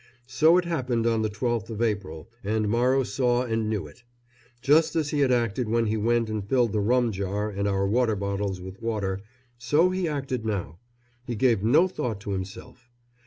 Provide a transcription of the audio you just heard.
So it happened on the 12th of April, and Morrow saw and knew it. Just as he had acted when he went and filled the rum jar and our water bottles with water, so he acted now he gave no thought to himself.